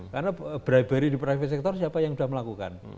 karena bribery di private sector siapa yang sudah melakukan